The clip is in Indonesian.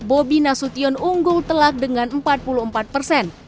bobi nasution unggul telak dengan empat puluh empat persen